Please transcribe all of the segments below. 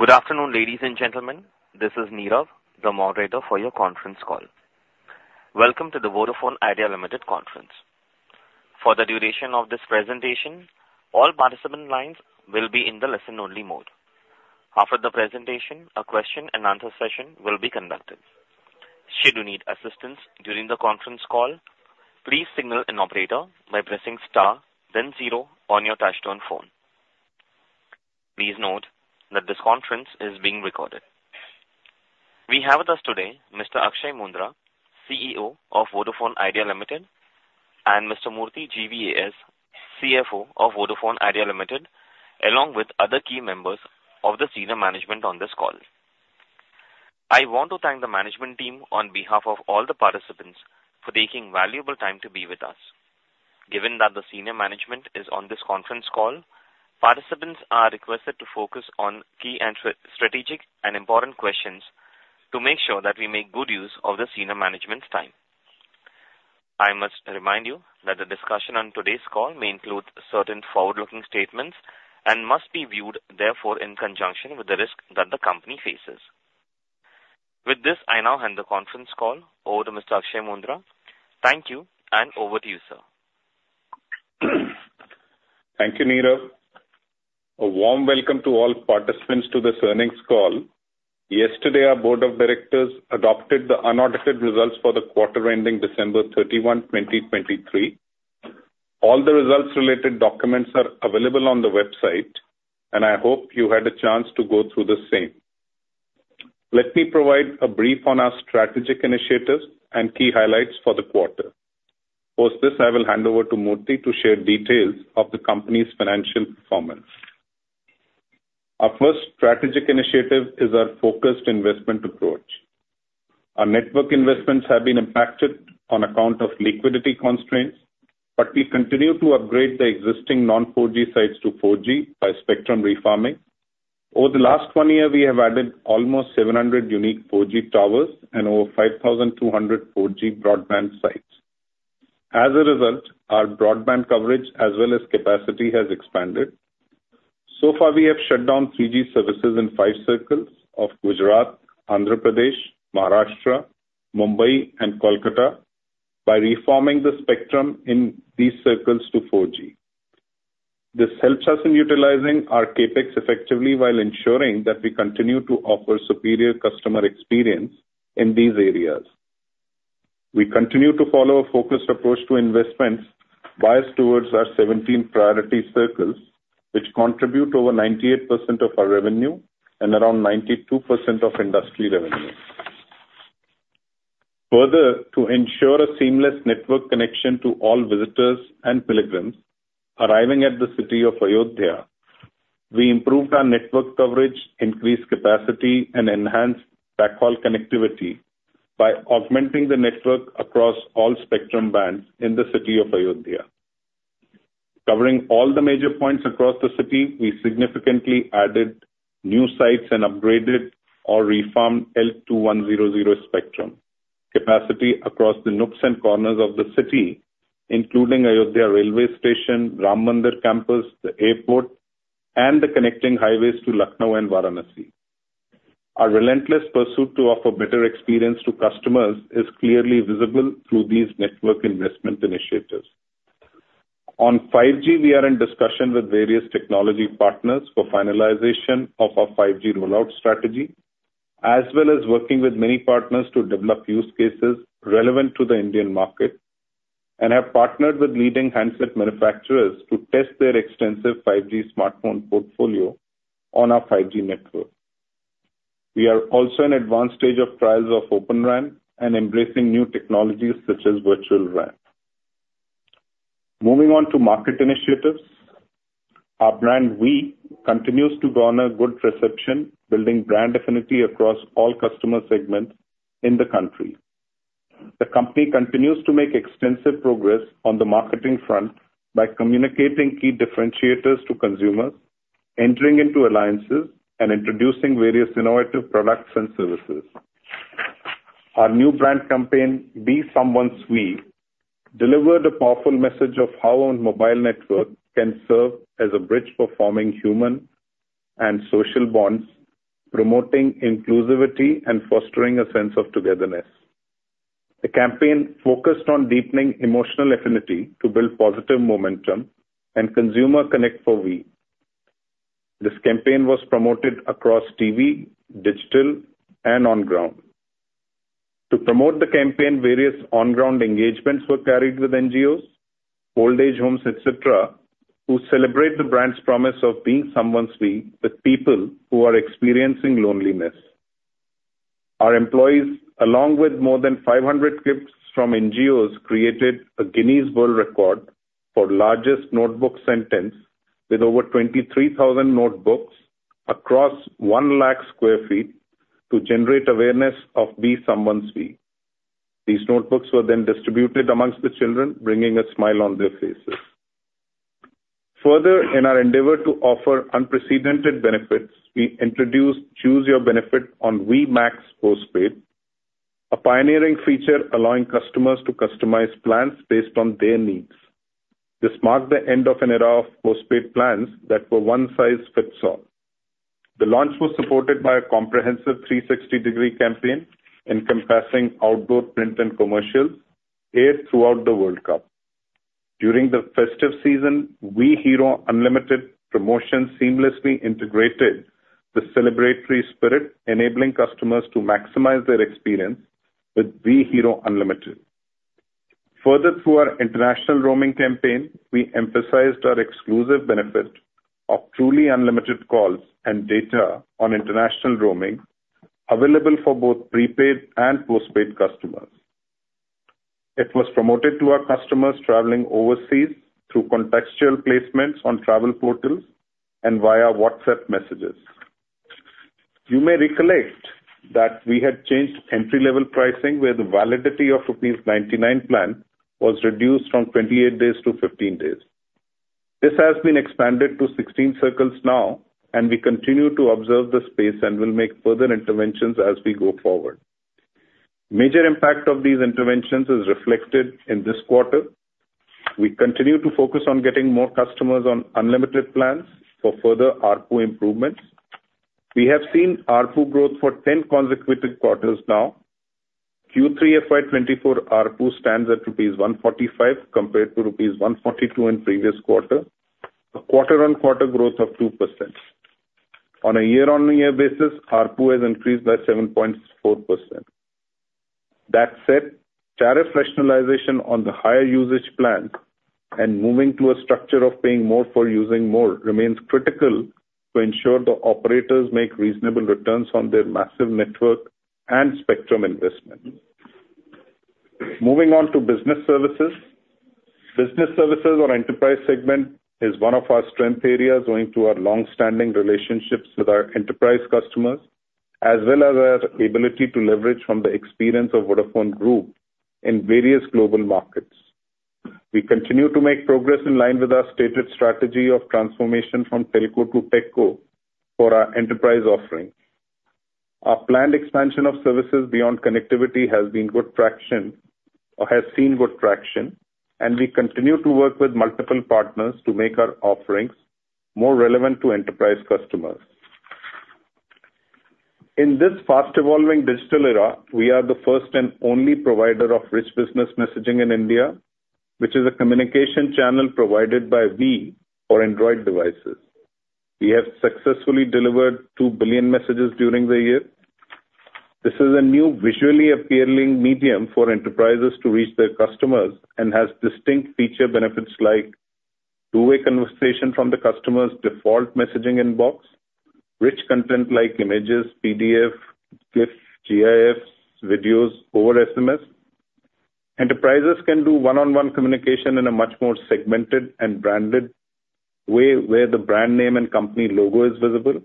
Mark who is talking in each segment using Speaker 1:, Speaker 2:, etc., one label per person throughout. Speaker 1: Good afternoon, ladies and gentlemen. This is Nirav, the moderator for your conference call. Welcome to the Vodafone Idea Limited Conference. For the duration of this presentation, all participant lines will be in the listen-only mode. After the presentation, a question-and-answer session will be conducted. Should you need assistance during the conference call, please signal an operator by pressing star, then zero on your touchtone phone. Please note that this conference is being recorded. We have with us today Mr. Akshaya Moondra, CEO of Vodafone Idea Limited, and Mr. Murthy GVAS, CFO of Vodafone Idea Limited, along with other key members of the senior management on this call. I want to thank the management team on behalf of all the participants for taking valuable time to be with us. Given that the senior management is on this conference call, participants are requested to focus on key and strategic and important questions to make sure that we make good use of the senior management's time. I must remind you that the discussion on today's call may include certain forward-looking statements and must be viewed, therefore, in conjunction with the risk that the company faces. With this, I now hand the conference call over to Mr. Akshaya Moondra. Thank you, and over to you, sir.
Speaker 2: Thank you, Nirav. A warm welcome to all participants to this earnings call. Yesterday, our board of directors adopted the unaudited results for the quarter ending December 31, 2023. All the results-related documents are available on the website, and I hope you had a chance to go through the same. Let me provide a brief on our strategic initiatives and key highlights for the quarter. Post this, I will hand over to Murthy to share details of the company's financial performance. Our first strategic initiative is our focused investment approach. Our network investments have been impacted on account of liquidity constraints, but we continue to upgrade the existing non-4G sites to 4G by spectrum refarming. Over the last one year, we have added almost 700 unique 4G towers and over 5,200 4G broadband sites. As a result, our broadband coverage as well as capacity has expanded. So far, we have shut down 3G services in five circles of Gujarat, Andhra Pradesh, Maharashtra, Mumbai and Kolkata by refarming the spectrum in these circles to 4G. This helps us in utilizing our CapEx effectively while ensuring that we continue to offer superior customer experience in these areas. We continue to follow a focused approach to investments biased towards our 17 priority circles, which contribute over 98% of our revenue and around 92% of industry revenue. Further, to ensure a seamless network connection to all visitors and pilgrims arriving at the city of Ayodhya, we improved our network coverage, increased capacity, and enhanced backhaul connectivity by augmenting the network across all spectrum bands in the city of Ayodhya. Covering all the major points across the city, we significantly added new sites and upgraded or refarmed LTE 2100 spectrum capacity across the nooks and corners of the city, including Ayodhya Railway Station, Ram Mandir Campus, the airport, and the connecting highways to Lucknow and Varanasi. Our relentless pursuit to offer better experience to customers is clearly visible through these network investment initiatives. On 5G, we are in discussion with various technology partners for finalization of our 5G rollout strategy, as well as working with many partners to develop use cases relevant to the Indian market, and have partnered with leading handset manufacturers to test their extensive 5G smartphone portfolio on our 5G network. We are also in advanced stage of trials of Open RAN and embracing new technologies such as Virtual RAN. Moving on to market initiatives. Our brand, Vi, continues to garner good reception, building brand affinity across all customer segments in the country. The company continues to make extensive progress on the marketing front by communicating key differentiators to consumers, entering into alliances, and introducing various innovative products and services. Our new brand campaign, Be Someone's Vi, delivered a powerful message of how our mobile network can serve as a bridge for forming human and social bonds, promoting inclusivity and fostering a sense of togetherness. The campaign focused on deepening emotional affinity to build positive momentum and consumer connect for Vi. This campaign was promoted across TV, digital, and on ground. To promote the campaign, various on-ground engagements were carried with NGOs, old age homes, et cetera, who celebrate the brand's promise of being someone's Vi with people who are experiencing loneliness. Our employees, along with more than 500 kids from NGOs, created a Guinness World Record for largest notebook sentence, with over 23,000 notebooks across 100,000 sq ft to generate awareness of Be Someone's Vi. These notebooks were then distributed among the children, bringing a smile on their faces. Further, in our endeavor to offer unprecedented benefits, we introduced Choose Your Benefit on Vi Max Postpaid. A pioneering feature allowing customers to customize plans based on their needs. This marked the end of an era of postpaid plans that were one size fits all. The launch was supported by a comprehensive 360-degree campaign, encompassing outdoor print and commercials aired throughout the World Cup. During the festive season, Vi Hero Unlimited promotion seamlessly integrated the celebratory spirit, enabling customers to maximize their experience with Vi Hero Unlimited. Further, through our international roaming campaign, we emphasized our exclusive benefit of truly unlimited calls and data on international roaming, available for both prepaid and postpaid customers. It was promoted to our customers traveling overseas through contextual placements on travel portals and via WhatsApp messages. You may recollect that we had changed entry-level pricing, where the validity of rupees 99 plan was reduced from 28 days to 15 days. This has been expanded to 16 circles now, and we continue to observe the space and will make further interventions as we go forward. Major impact of these interventions is reflected in this quarter. We continue to focus on getting more customers on unlimited plans for further ARPU improvements. We have seen ARPU growth for 10 consecutive quarters now. Q3 FY 2024 ARPU stands at rupees 145, compared to rupees 142 in previous quarter, a quarter-on-quarter growth of 2%. On a year-on-year basis, ARPU has increased by 7.4%. That said, tariff rationalization on the higher usage plan and moving to a structure of paying more for using more remains critical to ensure the operators make reasonable returns on their massive network and spectrum investment. Moving on to business services. Business services or enterprise segment is one of our strength areas, owing to our long-standing relationships with our enterprise customers, as well as our ability to leverage from the experience of Vodafone Group in various global markets. We continue to make progress in line with our stated strategy of transformation from telco to techco for our enterprise offerings. Our planned expansion of services beyond connectivity has been good traction, or has seen good traction, and we continue to work with multiple partners to make our offerings more relevant to enterprise customers. In this fast evolving digital era, we are the first and only provider of Rich Business Messaging in India, which is a communication channel provided by Vi for Android devices. We have successfully delivered 2 billion messages during the year. This is a new visually appealing medium for enterprises to reach their customers and has distinct feature benefits like two-way conversation from the customer's default messaging inbox, rich content like images, PDF, GIFs, GIFs, videos over SMS. Enterprises can do one-on-one communication in a much more segmented and branded way, where the brand name and company logo is visible.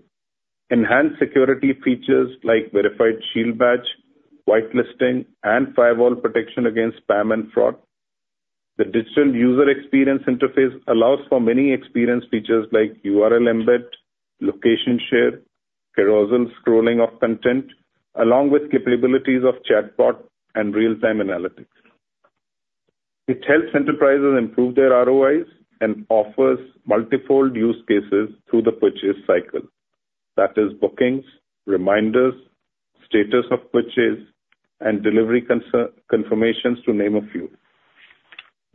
Speaker 2: Enhanced security features like verified shield badge, whitelisting, and firewall protection against spam and fraud. The digital user experience interface allows for many experience features like URL embed, location share, carousel scrolling of content, along with capabilities of chatbot and real-time analytics. It helps enterprises improve their ROIs and offers multifold use cases through the purchase cycle. That is, bookings, reminders, status of purchase, and delivery confirmations, to name a few.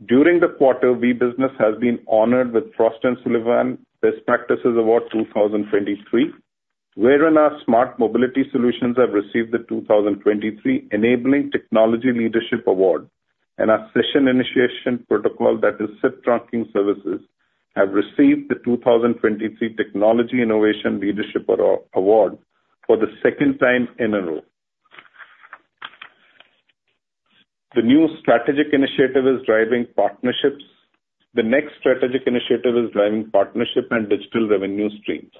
Speaker 2: During the quarter, Vi Business has been honored with Frost & Sullivan Best Practices Award 2023, wherein our Smart Mobility solutions have received the 2023 Enabling Technology Leadership Award, and our Session Initiation Protocol, that is SIP trunking services, have received the 2023 Technology Innovation Leadership Award for the second time in a row. The new strategic initiative is driving partnerships. The next strategic initiative is driving partnership and digital revenue streams.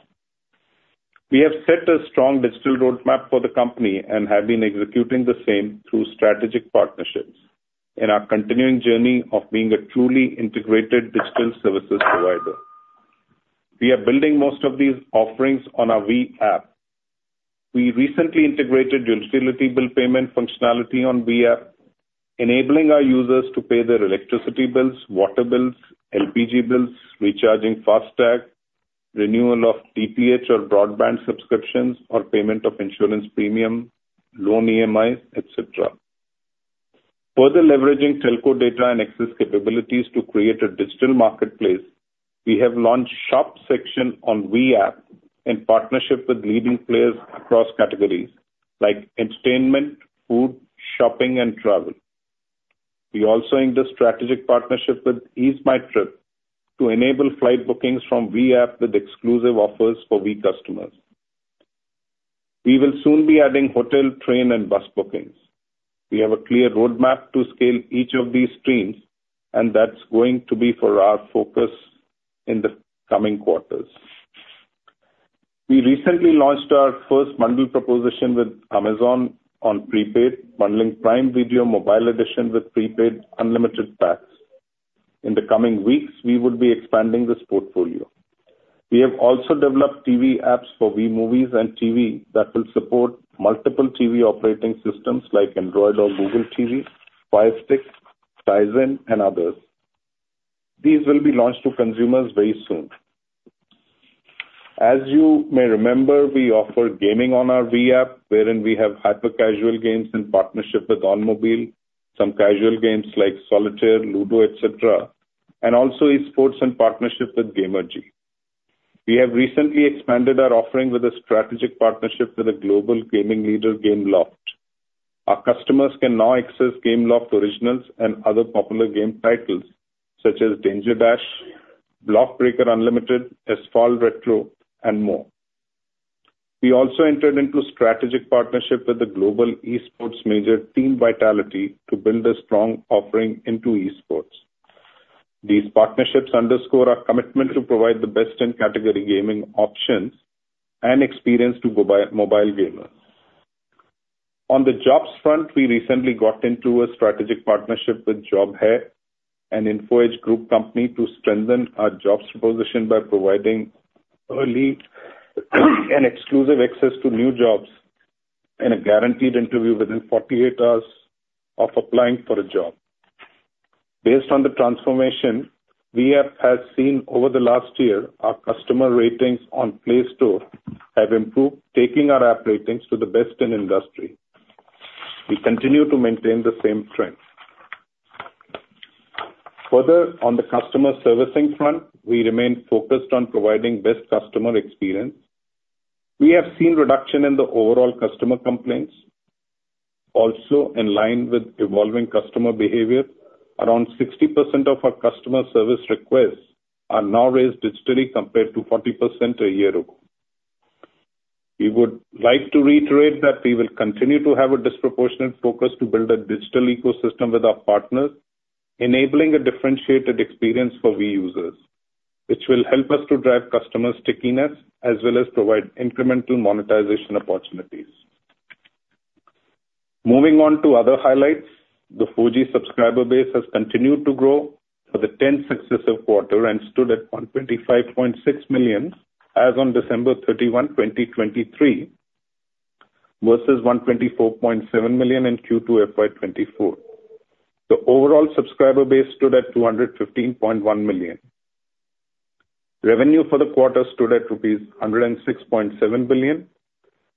Speaker 2: We have set a strong digital roadmap for the company and have been executing the same through strategic partnerships in our continuing journey of being a truly integrated digital services provider. We are building most of these offerings on our Vi App. We recently integrated utility bill payment functionality on Vi App, enabling our users to pay their electricity bills, water bills, LPG bills, recharging FASTag, renewal of DTH or broadband subscriptions, or payment of insurance premium, loan EMIs, et cetera. Further leveraging telco data and access capabilities to create a digital marketplace, we have launched Shop section on Vi App in partnership with leading players across categories like entertainment, food, shopping, and travel. We also inked a strategic partnership with EaseMyTrip to enable flight bookings from Vi App with exclusive offers for Vi customers. We will soon be adding hotel, train, and bus bookings. We have a clear roadmap to scale each of these streams, and that's going to be for our focus in the coming quarters. We recently launched our first bundle proposition with Amazon on prepaid, bundling Prime Video Mobile Edition with prepaid unlimited packs. In the coming weeks, we will be expanding this portfolio. We have also developed TV apps for Vi Movies & TV that will support multiple TV operating systems like Android or Google TV, Fire Stick, Tizen, and others. These will be launched to consumers very soon. As you may remember, we offer gaming on our Vi App, wherein we have hyper-casual games in partnership with OnMobile, some casual games like Solitaire, Ludo, et cetera, and also eSports in partnership with Gamerji. We have recently expanded our offering with a strategic partnership with a global gaming leader, Gameloft. Our customers can now access Gameloft Originals and other popular game titles, such as Danger Dash, Block Breaker Unlimited, Asphalt Retro, and more. We also entered into a strategic partnership with the global eSports major Team Vitality to build a strong offering into eSports. These partnerships underscore our commitment to provide the best-in-category gaming options and experience to mobile gamers. On the jobs front, we recently got into a strategic partnership with Job Hai, an Info Edge group company, to strengthen our jobs position by providing early and exclusive access to new jobs and a guaranteed interview within 48 hours of applying for a job. Based on the transformation Vi App has seen over the last year, our customer ratings on Play Store have improved, taking our app ratings to the best in industry. We continue to maintain the same strength. Further, on the customer servicing front, we remain focused on providing best customer experience. We have seen reduction in the overall customer complaints. Also, in line with evolving customer behavior, around 60% of our customer service requests are now raised digitally, compared to 40% a year ago. We would like to reiterate that we will continue to have a disproportionate focus to build a digital ecosystem with our partners, enabling a differentiated experience for Vi users, which will help us to drive customer stickiness as well as provide incremental monetization opportunities. Moving on to other highlights, the 4G subscriber base has continued to grow for the tenth successive quarter and stood at 125.6 million as on December 31, 2023, versus 124.7 million in Q2 FY 2024. The overall subscriber base stood at 215.1 million. Revenue for the quarter stood at rupees 106.7 billion.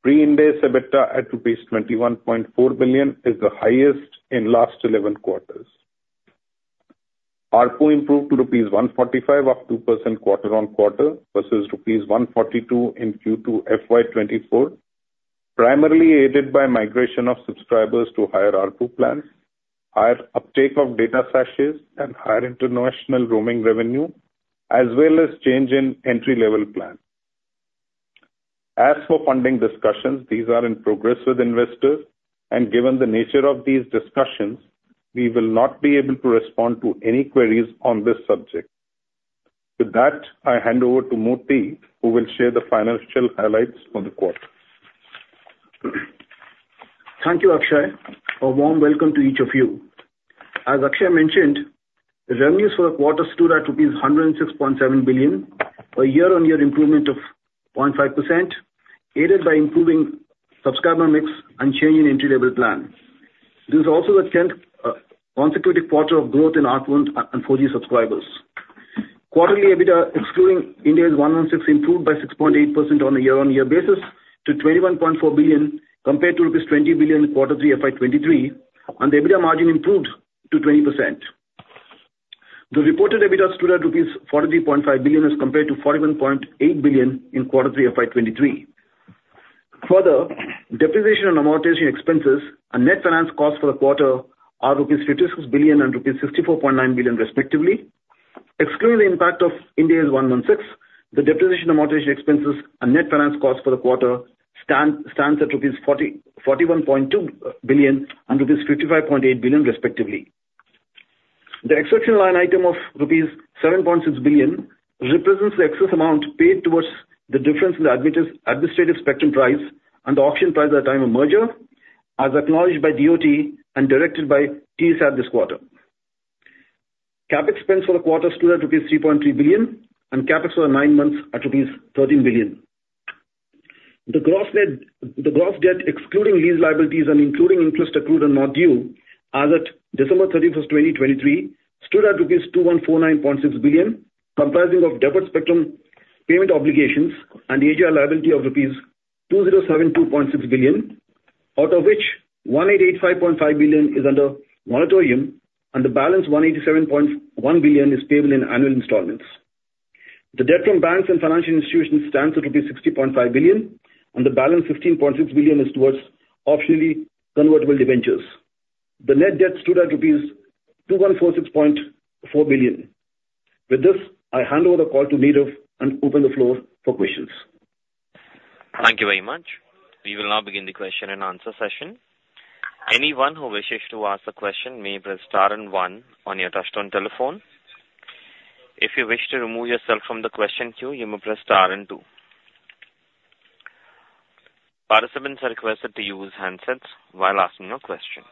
Speaker 2: Pre-Ind AS EBITDA at rupees 21.4 billion is the highest in last 11 quarters. ARPU improved to rupees 145, up 2% quarter-on-quarter, versus rupees 142 in Q2 FY 2024, primarily aided by migration of subscribers to higher ARPU plans, higher uptake of data sachets, and higher international roaming revenue, as well as change in entry-level plan. As for funding discussions, these are in progress with investors, and given the nature of these discussions, we will not be able to respond to any queries on this subject. With that, I hand over to Murthy, who will share the financial highlights for the quarter.
Speaker 3: Thank you, Akshaya. A warm welcome to each of you. As Akshaya mentioned, the revenues for quarter stood at 106.7 billion rupees, a year-on-year improvement of 0.5%, aided by improving subscriber mix and change in entry-level plan. This is also the 10th consecutive quarter of growth in ARPU and 4G subscribers. Quarterly EBITDA, excluding Ind AS 116, improved by 6.8% on a year-on-year basis to 21.4 billion, compared to rupees 20 billion in quarter three FY 2023, and the EBITDA margin improved to 20%. The reported EBITDA stood at rupees 43.5 billion as compared to 41.8 billion in quarter three FY 2023. Further, depreciation and amortization expenses and net finance costs for the quarter are rupees 56 billion and rupees 64.9 billion, respectively. Excluding the impact of Ind AS 116, the depreciation and amortization expenses and net finance costs for the quarter stand at rupees 41.2 billion and rupees 55.8 billion, respectively. The exceptional line item of rupees 7.6 billion represents the excess amount paid towards the difference in the administrative spectrum price and the auction price at the time of merger, as acknowledged by DoT and directed by TRAI this quarter. CapEx spend for the quarter stood at rupees 3.3 billion, and CapEx for the nine months at rupees 13 billion. The gross debt, excluding lease liabilities and including interest accrued and not due, as at December 31, 2023, stood at INR 2,149.6 billion, comprising of deferred spectrum payment obligations and the AGR liability of INR 2,072.6 billion, out of which 1,885.5 billion is under moratorium, and the balance, 187.1 billion, is payable in annual installments. The debt from banks and financial institutions stands at 60.5 billion, and the balance, 15.6 billion, is towards Optionally Convertible Debentures. The net debt stood at rupees 2,146.4 billion. With this, I hand over the call to Nirav and open the floor for questions.
Speaker 1: Thank you very much. We will now begin the question and answer session. Anyone who wishes to ask a question may press star and one on your touchtone telephone. If you wish to remove yourself from the question queue, you may press star and two.... Participants are requested to use handsets while asking your question.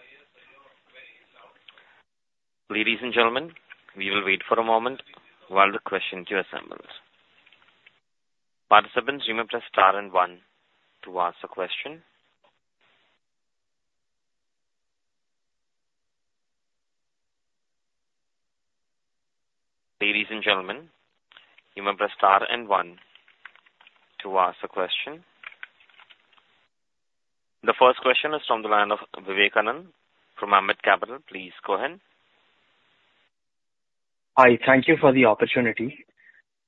Speaker 1: Ladies and gentlemen, we will wait for a moment while the question queue assembles. Participants, you may press star and one to ask a question. Ladies and gentlemen, you may press star and one to ask a question. The first question is from the line of Vivekanand from Ambit Capital. Please go ahead.
Speaker 4: Hi, thank you for the opportunity.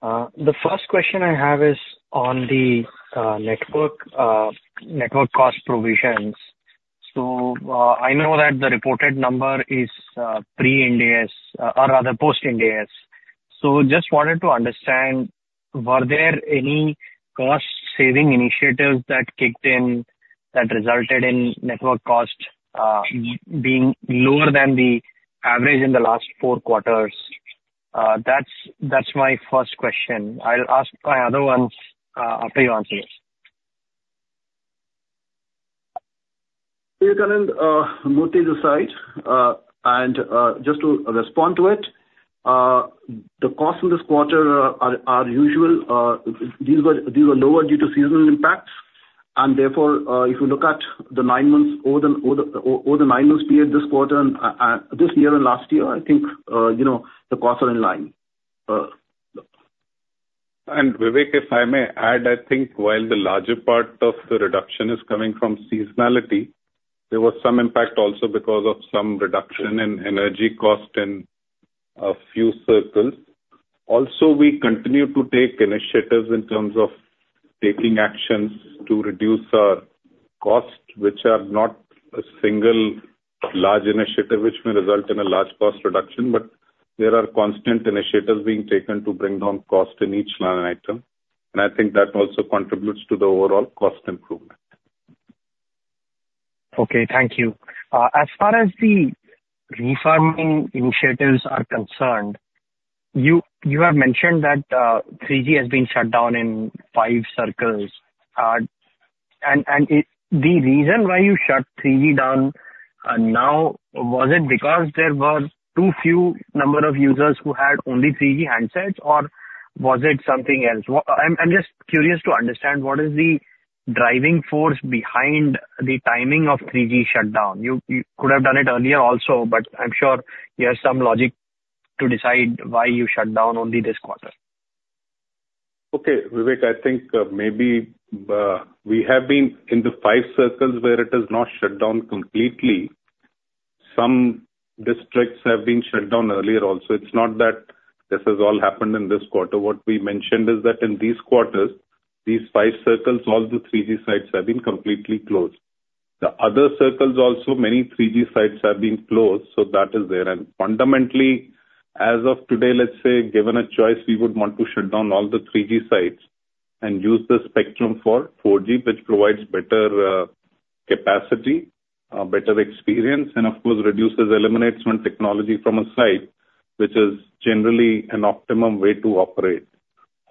Speaker 4: The first question I have is on the network cost provisions. So, I know that the reported number is pre-Ind AS, or rather post-Ind AS. So just wanted to understand, were there any cost-saving initiatives that kicked in that resulted in network costs being lower than the average in the last four quarters? That's my first question. I'll ask my other ones after you answer this.
Speaker 3: Vivekanand, Murthy this side. Just to respond to it, the costs in this quarter are usual. These were lower due to seasonal impacts, and therefore, if you look at the nine months over the nine-month period, this quarter and this year and last year, I think, you know, the costs are in line.
Speaker 2: And Vivek, if I may add, I think while the larger part of the reduction is coming from seasonality, there was some impact also because of some reduction in energy cost in a few circles. Also, we continue to take initiatives in terms of taking actions to reduce our costs, which are not a single large initiative, which may result in a large cost reduction, but there are constant initiatives being taken to bring down cost in each line item, and I think that also contributes to the overall cost improvement.
Speaker 4: Okay, thank you. As far as the refarming initiatives are concerned, you have mentioned that 3G has been shut down in five circles. And the reason why you shut 3G down now, was it because there were too few number of users who had only 3G handsets, or was it something else? I'm just curious to understand what is the driving force behind the timing of 3G shutdown. You could have done it earlier also, but I'm sure you have some logic to decide why you shut down only this quarter.
Speaker 2: Okay, Vivek, I think, maybe, we have been in the five circles where it is not shut down completely. Some districts have been shut down earlier also. It's not that this has all happened in this quarter. What we mentioned is that in these quarters, these five circles, all the 3G sites have been completely closed. The other circles also, many 3G sites have been closed, so that is there. And fundamentally, as of today, let's say, given a choice, we would want to shut down all the 3G sites and use the spectrum for 4G, which provides better, capacity, better experience, and of course, reduces, eliminates one technology from a site, which is generally an optimum way to operate.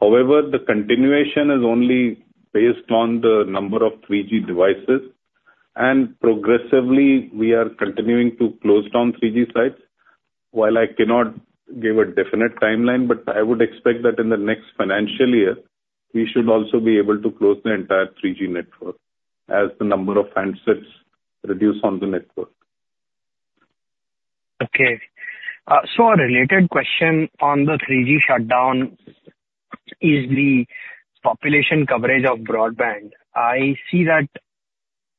Speaker 2: However, the continuation is only based on the number of 3G devices, and progressively, we are continuing to close down 3G sites. While I cannot give a definite timeline, but I would expect that in the next financial year, we should also be able to close the entire 3G network as the number of handsets reduce on the network.
Speaker 4: Okay. So a related question on the 3G shutdown is the population coverage of broadband. I see that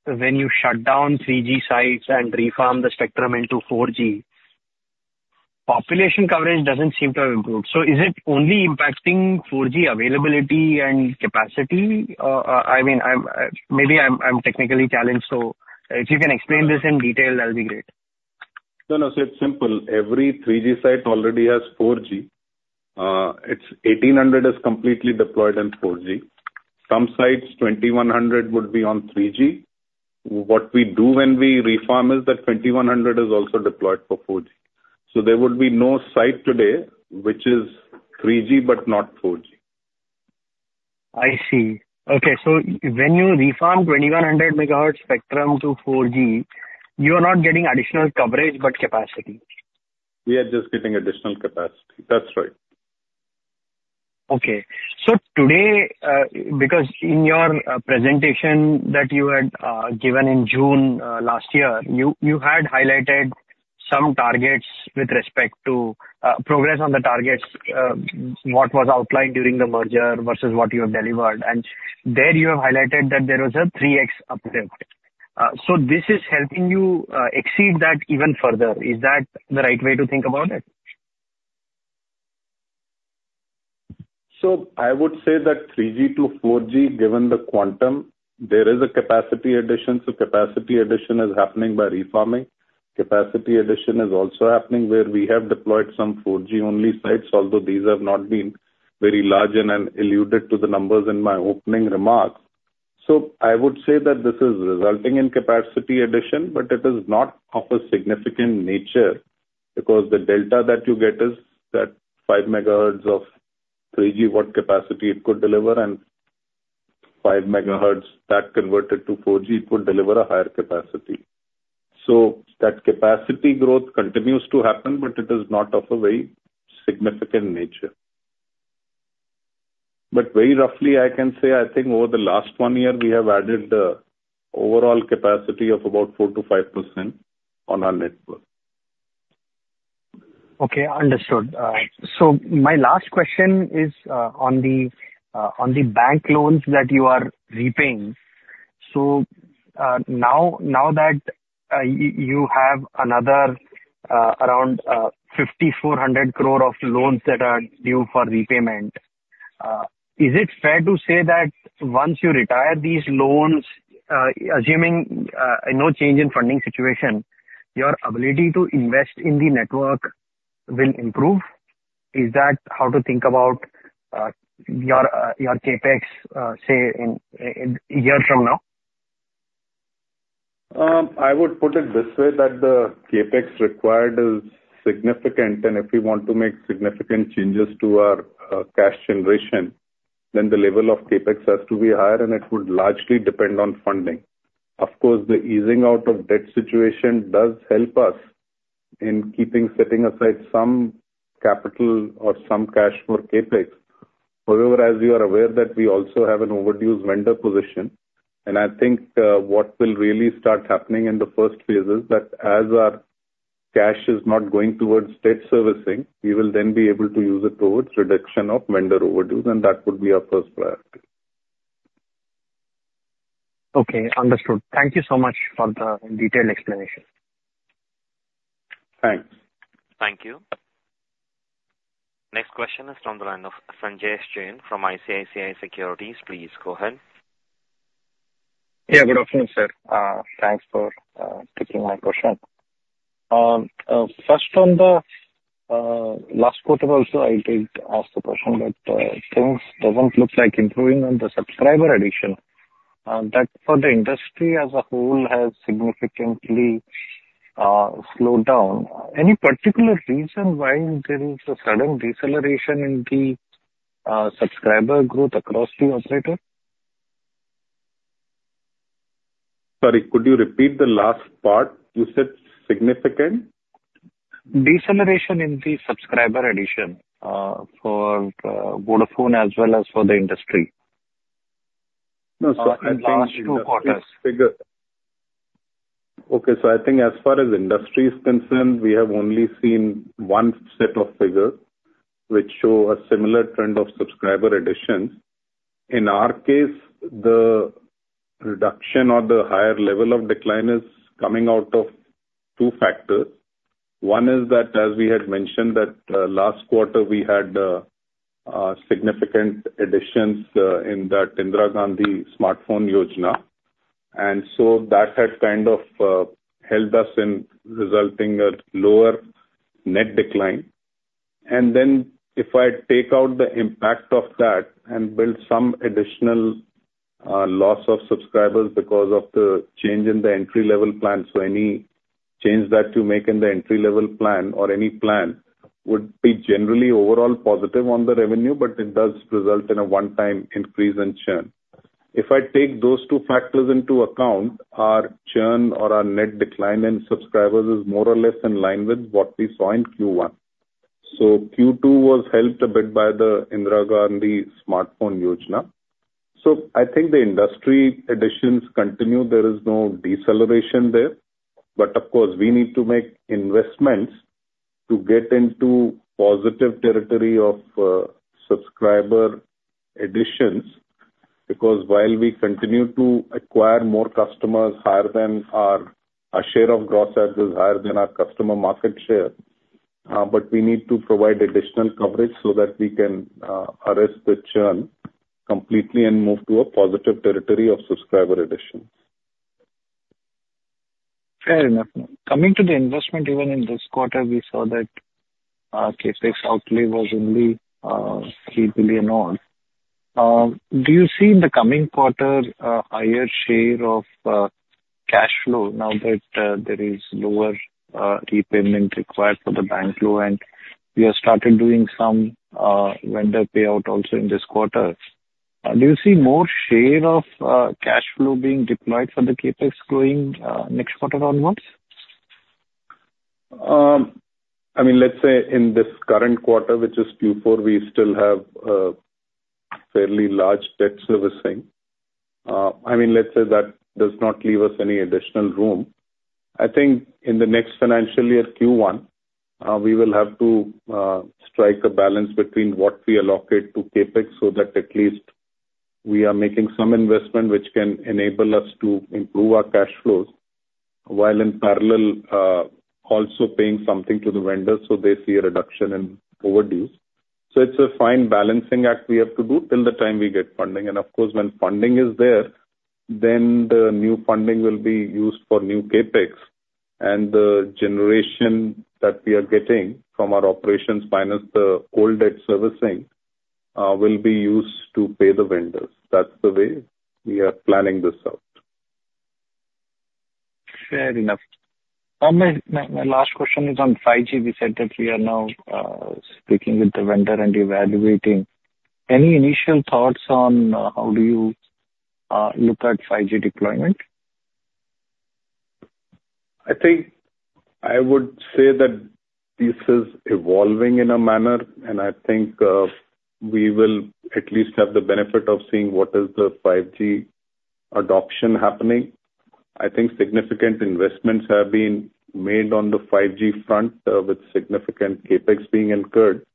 Speaker 4: when you shut down 3G sites and refarm the spectrum into 4G, population coverage doesn't seem to have improved. So is it only impacting 4G availability and capacity? I mean, I'm maybe technically challenged, so if you can explain this in detail, that'll be great.
Speaker 2: No, no, so it's simple. Every 3G site already has 4G. It's 1800 is completely deployed in 4G. Some sites, 2100 would be on 3G. What we do when we refarm is that 2100 is also deployed for 4G. So there would be no site today, which is 3G, but not 4G.
Speaker 4: I see. Okay, so when you refarm 2,100 MHz spectrum to 4G, you are not getting additional coverage, but capacity?
Speaker 2: We are just getting additional capacity. That's right.
Speaker 4: Okay. So today, because in your presentation that you had given in June last year, you had highlighted some targets with respect to progress on the targets, what was outlined during the merger versus what you have delivered. And there, you have highlighted that there was a 3x uplift. So this is helping you exceed that even further. Is that the right way to think about it?
Speaker 2: So I would say that 3G to 4G, given the quantum, there is a capacity addition, so capacity addition is happening by refarming. Capacity addition is also happening where we have deployed some 4G-only sites, although these have not been very large, and I've alluded to the numbers in my opening remarks. So I would say that this is resulting in capacity addition, but it is not of a significant nature because the delta that you get is that 5 MHz of 3G, what capacity it could deliver, and 5 MHz that converted to 4G, it could deliver a higher capacity. So that capacity growth continues to happen, but it is not of a very significant nature. But very roughly, I can say, I think over the last one year, we have added overall capacity of about 4%-5% on our network.
Speaker 4: Okay, understood. So my last question is on the bank loans that you are repaying. So now that you have another around 5,400 crore of loans that are due for repayment, is it fair to say that once you retire these loans, assuming no change in funding situation, your ability to invest in the network will improve? Is that how to think about your CapEx, say, in a year from now?
Speaker 2: I would put it this way, that the CapEx required is significant, and if we want to make significant changes to our cash generation, then the level of CapEx has to be higher, and it would largely depend on funding. Of course, the easing out of debt situation does help us in keeping, setting aside some capital or some cash for CapEx. However, as you are aware, that we also have an overdue vendor position, and I think, what will really start happening in the first phase is that as our cash is not going towards debt servicing, we will then be able to use it towards reduction of vendor overdues, and that would be our first priority.
Speaker 4: Okay, understood. Thank you so much for the detailed explanation.
Speaker 2: Thanks.
Speaker 1: Thank you. Next question is from the line of Sanjesh Jain from ICICI Securities. Please go ahead.
Speaker 5: Yeah, good afternoon, sir. Thanks for taking my question. First on the last quarter also, I did ask the question, but things doesn't look like improving on the subscriber addition. That for the industry as a whole has significantly slowed down. Any particular reason why there is a sudden deceleration in the subscriber growth across the operator?
Speaker 2: Sorry, could you repeat the last part? You said significant?
Speaker 5: Deceleration in the subscriber addition for Vodafone as well as for the industry.
Speaker 2: No, sir, I think-
Speaker 5: Last two quarters.
Speaker 2: Okay, so I think as far as industry is concerned, we have only seen one set of figures which show a similar trend of subscriber additions. In our case, the reduction or the higher level of decline is coming out of two factors. One is that, as we had mentioned, that, last quarter, we had significant additions in the Indira Gandhi Smartphone Yojana, and so that has kind of helped us in resulting a lower net decline. And then if I take out the impact of that and build some additional loss of subscribers because of the change in the entry-level plan, so any change that you make in the entry-level plan or any plan would be generally overall positive on the revenue, but it does result in a one-time increase in churn. If I take those two factors into account, our churn or our net decline in subscribers is more or less in line with what we saw in Q1. So Q2 was helped a bit by the Indira Gandhi Smartphone Yojana. So I think the industry additions continue. There is no deceleration there. But of course, we need to make investments to get into positive territory of subscriber additions, because while we continue to acquire more customers, higher than our... Our share of gross adds is higher than our customer market share, but we need to provide additional coverage so that we can arrest the churn completely and move to a positive territory of subscriber additions.
Speaker 5: Fair enough. Coming to the investment, even in this quarter, we saw that, CapEx outlay was only, 3 billion odd. Do you see in the coming quarter, higher share of, cash flow now that, there is lower, repayment required for the bank loan, and you have started doing some, vendor payout also in this quarter? Do you see more share of, cash flow being deployed for the CapEx growing, next quarter onwards?
Speaker 2: I mean, let's say in this current quarter, which is Q4, we still have a fairly large debt servicing. I mean, let's say that does not leave us any additional room. I think in the next financial year, Q1, we will have to strike a balance between what we allocate to CapEx, so that at least we are making some investment which can enable us to improve our cash flows, while in parallel, also paying something to the vendors, so they see a reduction in overdues. So it's a fine balancing act we have to do till the time we get funding. And of course, when funding is there, then the new funding will be used for new CapEx, and the generation that we are getting from our operations minus the old debt servicing, will be used to pay the vendors. That's the way we are planning this out....
Speaker 5: Fair enough. My last question is on 5G. We said that we are now speaking with the vendor and evaluating. Any initial thoughts on how do you look at 5G deployment?
Speaker 2: I think I would say that this is evolving in a manner, and I think, we will at least have the benefit of seeing what is the 5G adoption happening. I think significant investments have been made on the 5G front, with significant CapEx being incurred.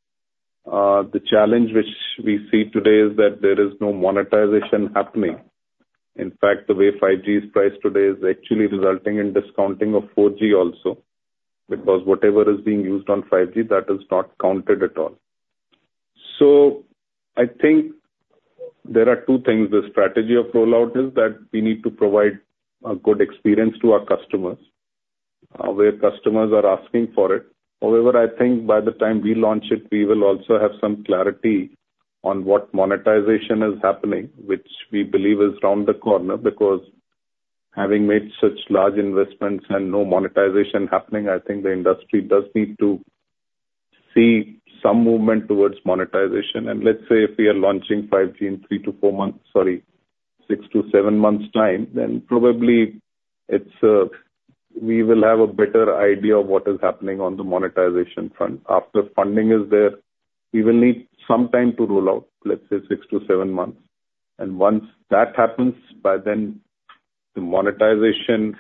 Speaker 2: The challenge which we see today is that there is no monetization happening. In fact, the way 5G is priced today is actually resulting in discounting of 4G also, because whatever is being used on 5G, that is not counted at all. So I think there are two things: the strategy of rollout is that we need to provide a good experience to our customers, where customers are asking for it. However, I think by the time we launch it, we will also have some clarity on what monetization is happening, which we believe is around the corner. Because having made such large investments and no monetization happening, I think the industry does need to see some movement towards monetization. And let's say if we are launching 5G in three-four months—sorry, six-seven months' time, then probably it's, we will have a better idea of what is happening on the monetization front. After funding is there, we will need some time to roll out, let's say six-seven months. And once that happens, by then the monetization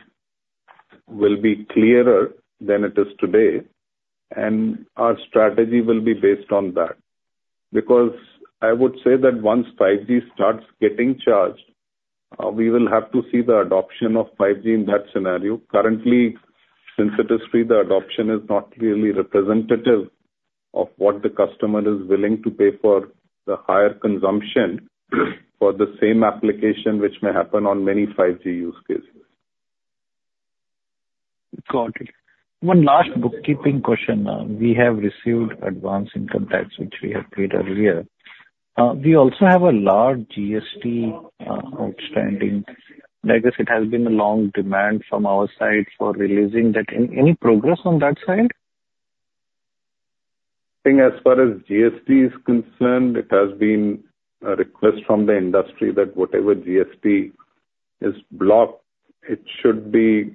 Speaker 2: will be clearer than it is today, and our strategy will be based on that. Because I would say that once 5G starts getting charged, we will have to see the adoption of 5G in that scenario. Currently, since it is free, the adoption is not really representative of what the customer is willing to pay for the higher consumption, for the same application, which may happen on many 5G use cases.
Speaker 5: Got it. One last bookkeeping question. We have received advanced income tax, which we have paid earlier. We also have a large GST outstanding. I guess it has been a long demand from our side for releasing that. Any progress on that side?
Speaker 2: I think as far as GST is concerned, it has been a request from the industry that whatever GST is blocked, it should be...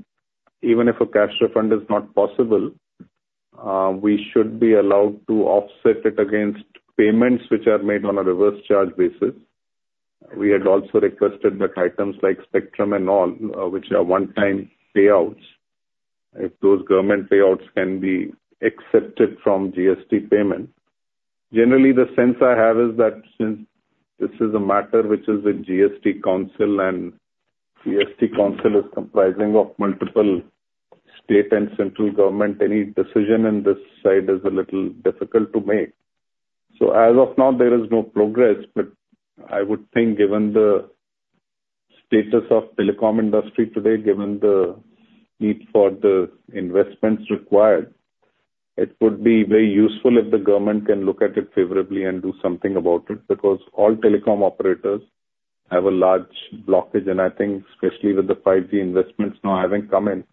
Speaker 2: Even if a cash refund is not possible, we should be allowed to offset it against payments which are made on a reverse charge basis. We had also requested that items like spectrum and all, which are one-time payouts, if those government payouts can be accepted from GST payments. Generally, the sense I have is that since this is a matter which is with GST Council, and GST Council is comprising of multiple state and central government, any decision in this side is a little difficult to make. So as of now, there is no progress. But I would think, given the status of the telecom industry today, given the need for the investments required, it would be very useful if the government can look at it favorably and do something about it, because all telecom operators have a large blockage. And I think especially with the 5G investments now having come in,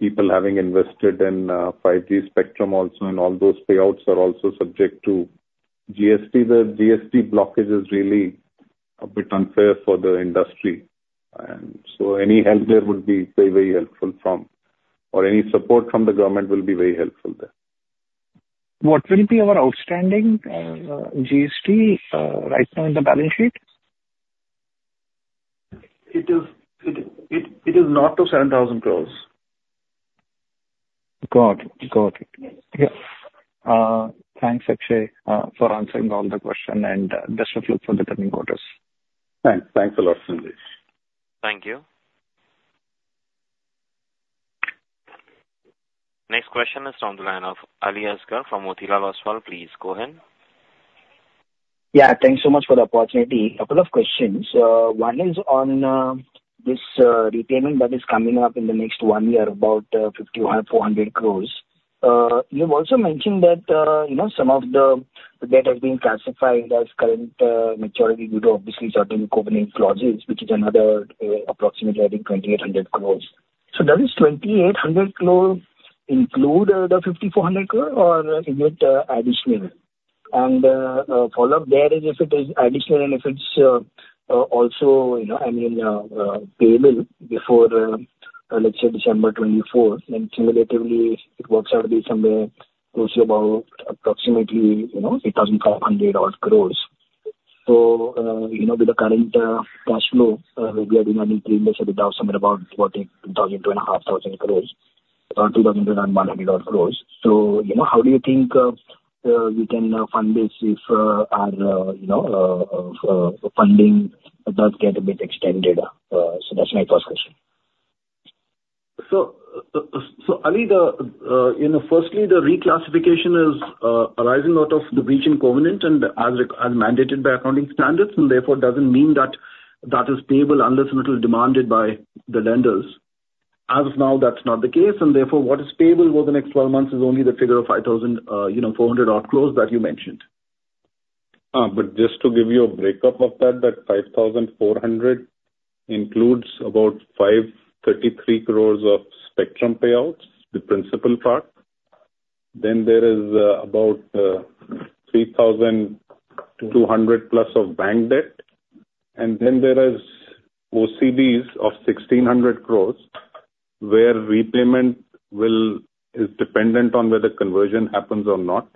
Speaker 2: people having invested in 5G spectrum also, and all those payouts are also subject to GST. The GST blockage is really a bit unfair for the industry, and so any help there would be very, very helpful from, or any support from the government will be very helpful there.
Speaker 5: What will be our outstanding GST right now in the balance sheet?
Speaker 2: It is not to 7,000 crore.
Speaker 5: Got it. Got it. Yeah. Thanks, Akshaya, for answering all the question, and best of luck for the coming quarters.
Speaker 2: Thanks. Thanks a lot, Sanjesh.
Speaker 1: Thank you. Next question is on the line of Aliasgar from Motilal Oswal. Please go ahead.
Speaker 6: Yeah, thanks so much for the opportunity. A couple of questions. One is on this repayment that is coming up in the next one year, about 5,400 crore. You've also mentioned that, you know, some of the debt has been classified as current maturity due to obviously certain covenant clauses, which is another approximately, I think, 2,800 crore. So does this 2,800 crore include the 5,400 crore, or is it additional? And a follow-up there is if it is additional, and if it's also, you know, I mean, payable before let's say December 2024, then cumulatively it works out to be somewhere closely about approximately, you know, 8,500-odd crore. You know, with the current cash flow, we are demanding three months, so it is somewhere about 1,400 crore, 2,000-2,500 crore, or 2,100 odd crore. You know, how do you think we can fund this if our funding does get a bit extended? That's my first question.
Speaker 2: So, Ali, you know, firstly, the reclassification is arising out of the breach in covenant and as mandated by accounting standards, and therefore, doesn't mean that that is payable unless and until demanded by the lenders. As of now, that's not the case, and therefore, what is payable over the next 12 months is only the figure of 5,400-odd crore that you mentioned. But just to give you a breakup of that, that 5,400 crore includes about 533 crore of spectrum payouts, the principal part. Then there is about 3,200 crore-plus of bank debt, and then there is OCDs of 1,600 crore, where repayment is dependent on whether conversion happens or not.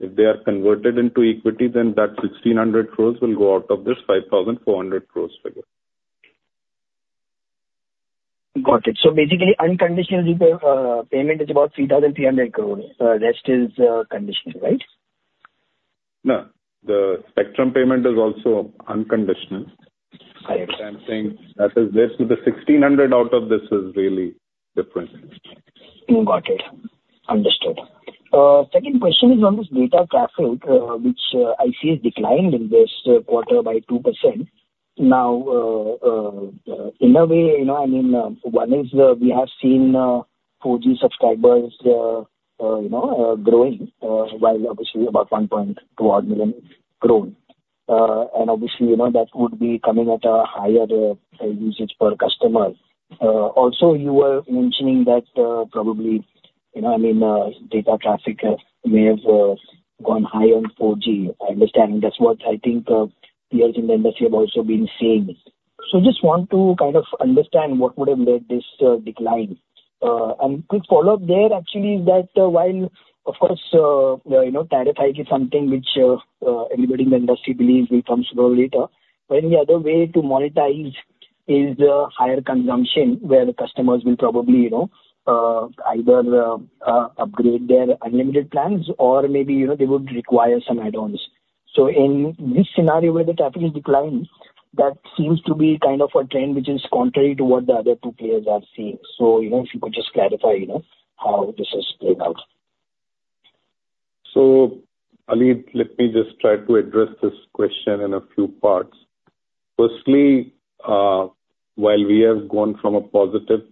Speaker 2: If they are converted into equity, then that 1,600 crore will go out of this 5,400 crore figure.
Speaker 6: Got it. So basically, unconditional payment is about 3,300 crore. Rest is conditional, right?
Speaker 2: No, the spectrum payment is also unconditional.
Speaker 6: I see.
Speaker 2: I'm saying that is this, so the 1,600 out of this is really different.
Speaker 6: Got it. Understood. Second question is on this data traffic, which I see has declined in this quarter by 2%. Now, in a way, you know, I mean, one is, we have seen 4G subscribers, you know, growing, while obviously about 1.2 odd million grown. And obviously, you know, that would be coming at a higher usage per customer. Also, you were mentioning that, probably, you know, I mean, data traffic may have gone high on 4G. I understand. That's what I think peers in the industry have also been saying. So just want to kind of understand what would have made this decline. And quick follow-up there actually is that, while of course, you know, tariff hike is something which everybody in the industry believes will come sooner or later, but any other way to monetize is higher consumption, where the customers will probably, you know, either upgrade their unlimited plans or maybe, you know, they would require some add-ons. So in this scenario where the traffic is declining, that seems to be kind of a trend which is contrary to what the other two players are seeing. So, you know, if you could just clarify, you know, how this is playing out.
Speaker 2: So, Ali, let me just try to address this question in a few parts. Firstly, while we have gone from a positive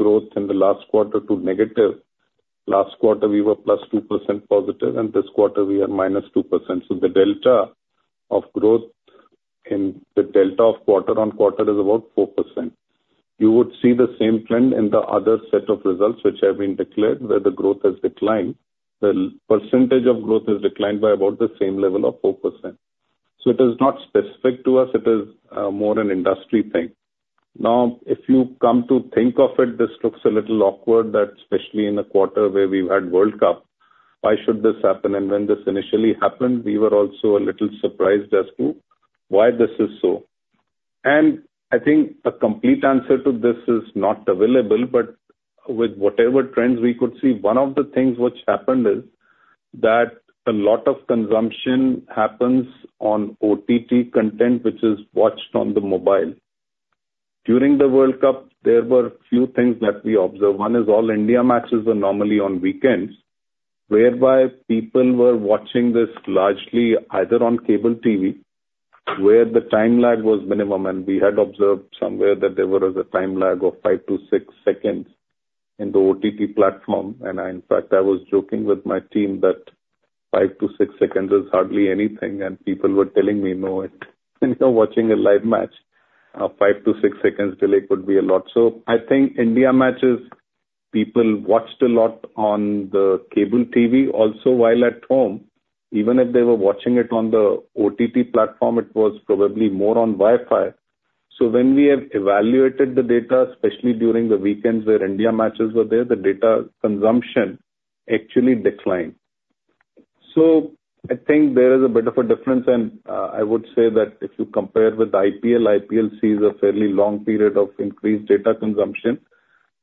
Speaker 2: growth in the last quarter to negative, last quarter we were +2% positive, and this quarter we are -2%. So the delta of growth in the delta of quarter-on-quarter is about 4%. You would see the same trend in the other set of results, which have been declared, where the growth has declined. The percentage of growth has declined by about the same level of 4%. So it is not specific to us, it is more an industry thing. Now, if you come to think of it, this looks a little awkward that especially in a quarter where we've had World Cup, why should this happen? When this initially happened, we were also a little surprised as to why this is so. I think a complete answer to this is not available, but with whatever trends we could see, one of the things which happened is that a lot of consumption happens on OTT content, which is watched on the mobile. During the World Cup, there were a few things that we observed. One is all India matches were normally on weekends, whereby people were watching this largely either on cable TV, where the time lag was minimum, and we had observed somewhere that there was a time lag of five-six seconds in the OTT platform. In fact, I was joking with my team that five-six seconds is hardly anything, and people were telling me, "No, if you're watching a live match, five-six seconds delay could be a lot." So I think India matches, people watched a lot on the cable TV also while at home. Even if they were watching it on the OTT platform, it was probably more on Wi-Fi. So when we have evaluated the data, especially during the weekends where India matches were there, the data consumption actually declined. So I think there is a bit of a difference, and I would say that if you compare with IPL, IPL sees a fairly long period of increased data consumption,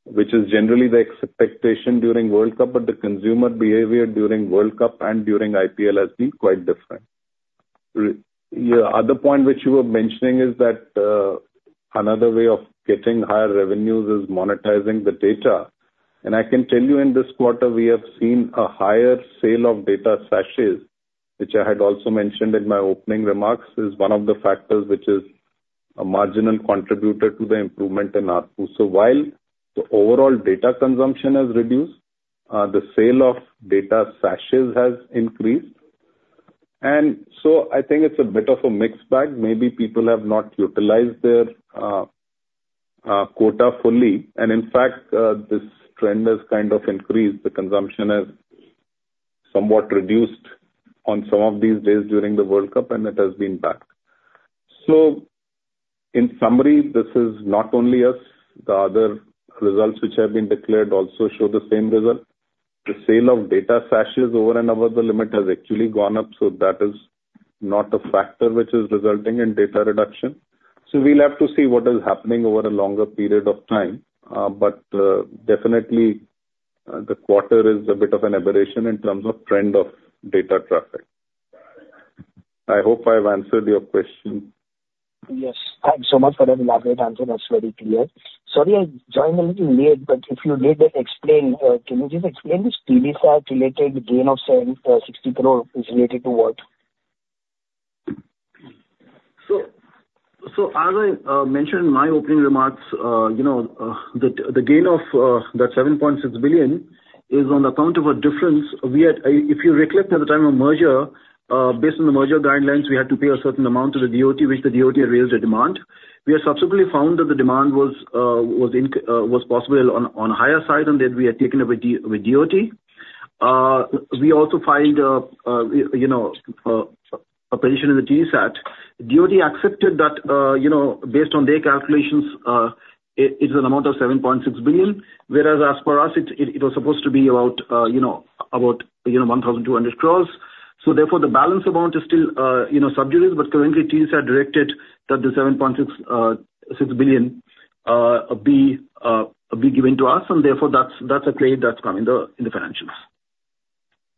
Speaker 2: which is generally the expectation during World Cup, but the consumer behavior during World Cup and during IPL has been quite different. Your other point which you were mentioning is that, another way of getting higher revenues is monetizing the data. And I can tell you in this quarter, we have seen a higher sale of data sachets, which I had also mentioned in my opening remarks, is one of the factors which is a marginal contributor to the improvement in ARPU. So while the overall data consumption has reduced, the sale of data sachets has increased. And so I think it's a bit of a mixed bag. Maybe people have not utilized their quota fully. And in fact, this trend has kind of increased. The consumption has somewhat reduced on some of these days during the World Cup, and it has been back. So in summary, this is not only us, the other results which have been declared also show the same result. The sale of data add-ons over and above the limit has actually gone up, so that is not a factor which is resulting in data reduction. So we'll have to see what is happening over a longer period of time. But definitely, the quarter is a bit of an aberration in terms of trend of data traffic. I hope I've answered your question.
Speaker 6: Yes. Thanks so much for the elaborate answer. That's very clear. Sorry, I joined a little late, but if you did explain, can you just explain this TDSAT related gain of selling, 60 crore is related to what?...
Speaker 3: So as I mentioned in my opening remarks, you know, the gain of 7.6 billion is on account of a difference. We had, if you recollect at the time of merger, based on the merger guidelines, we had to pay a certain amount to the DoT, which the DoT raised a demand. We have subsequently found that the demand was possible on higher side, and that we had taken up with DoT. We also filed, you know, a petition in the TDSAT. DoT accepted that, you know, based on their calculations, it's an amount of 7.6 billion, whereas as per us, it was supposed to be about, you know, about 1,200 crore. So therefore, the balance amount is still, you know, sub judice. But currently, TDSAT directed that the 7.66 billion be, be given to us, and therefore, that's, that's a claim that's come in the, in the financials.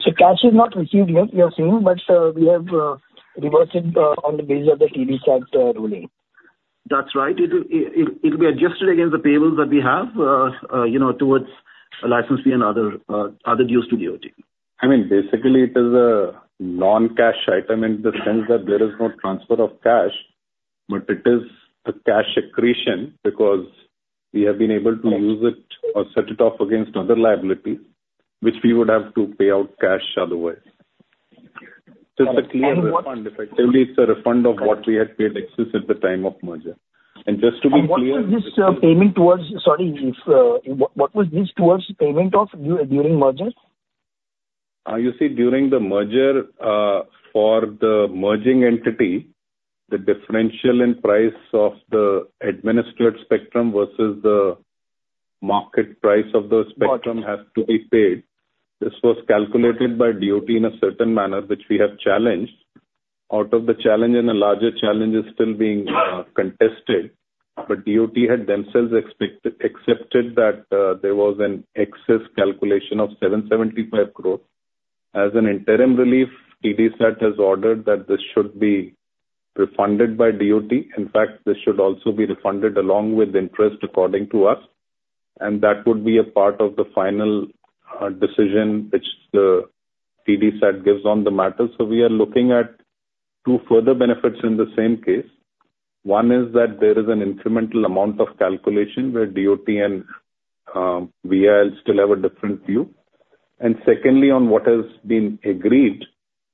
Speaker 6: So cash is not received yet, you are saying, but we have reversed it on the basis of the TDSAT ruling.
Speaker 3: That's right. It will be adjusted against the payables that we have, you know, towards license fee and other dues to DoT.
Speaker 2: I mean, basically it is a non-cash item in the sense that there is no transfer of cash, but it is a cash accretion because we have been able to use it or set it off against other liability, which we would have to pay out cash otherwise. Just a clear refund, effectively. It's a refund of what we had paid excess at the time of merger. And just to be clear-
Speaker 6: What was this payment towards...? Sorry, what was this towards payment of dues during merger?
Speaker 2: You see, during the merger, for the merging entity, the differential in price of the administered spectrum versus the market price of the spectrum has to be paid. This was calculated by DoT in a certain manner, which we have challenged. Out of the challenge, and a larger challenge is still being contested, but DoT had themselves accepted that there was an excess calculation of 775 crore. As an interim relief, TDSAT has ordered that this should be refunded by DoT. In fact, this should also be refunded along with interest, according to us, and that would be a part of the final decision which the TDSAT gives on the matter. So we are looking at two further benefits in the same case. One is that there is an incremental amount of calculation where DoT and VIL still have a different view. And secondly, on what has been agreed,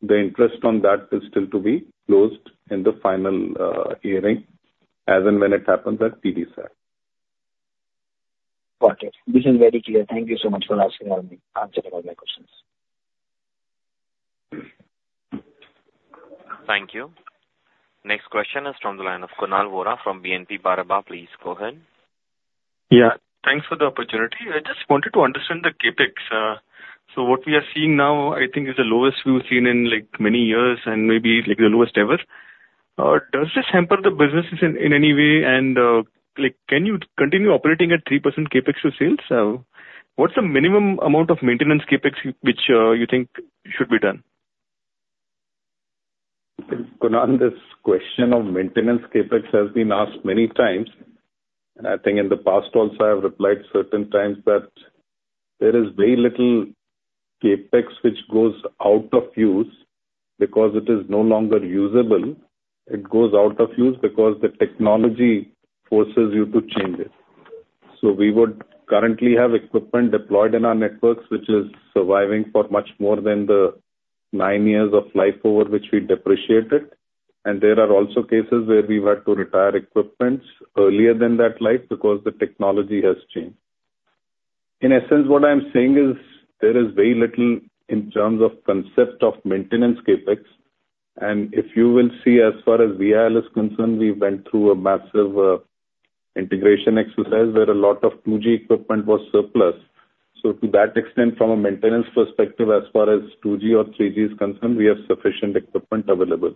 Speaker 2: the interest on that is still to be closed in the final hearing, as and when it happens at TDSAT.
Speaker 6: Got it. This is very clear. Thank you so much for answering all my questions.
Speaker 1: Thank you. Next question is from the line of Kunal Vora from BNP Paribas. Please go ahead.
Speaker 7: Yeah, thanks for the opportunity. I just wanted to understand the CapEx. So what we are seeing now, I think, is the lowest we've seen in, like, many years and maybe, like, the lowest ever. Does this hamper the businesses in any way? And, like, can you continue operating at 3% CapEx to sales? What's the minimum amount of maintenance CapEx which you think should be done?
Speaker 2: Kunal, this question of maintenance CapEx has been asked many times, and I think in the past also, I have replied certain times, that there is very little CapEx which goes out of use because it is no longer usable. It goes out of use because the technology forces you to change it. So we would currently have equipment deployed in our networks, which is surviving for much more than the nine years of life over which we depreciate it. And there are also cases where we've had to retire equipment earlier than that life because the technology has changed. In essence, what I'm saying is, there is very little in terms of concept of maintenance CapEx. And if you will see, as far as VIL is concerned, we went through a massive integration exercise where a lot of 2G equipment was surplus. So to that extent, from a maintenance perspective, as far as 2G or 3G is concerned, we have sufficient equipment available.